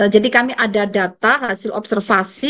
jadi kami ada data hasil observasi